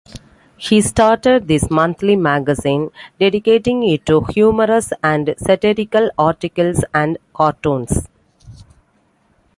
He started this monthly magazine, dedicating it to humorous and satirical articles and cartoons.